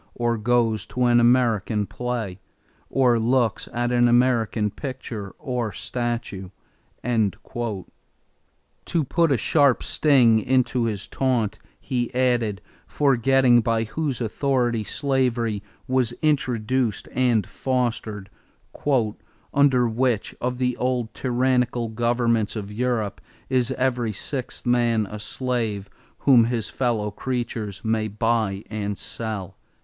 Or goes to an American play? Or looks at an American picture or statue?" To put a sharp sting into his taunt he added, forgetting by whose authority slavery was introduced and fostered: "Under which of the old tyrannical governments of Europe is every sixth man a slave whom his fellow creatures may buy and sell?"